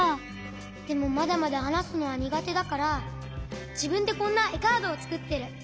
でもまだまだはなすのはにがてだからじぶんでこんなえカードをつくってる。